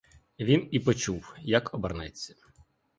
Він і почув, як обернеться.